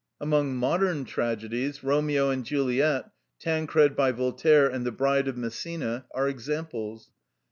Among modern tragedies, "Romeo and Juliet," "Tancred" by Voltaire, and "The Bride of Messina," are examples.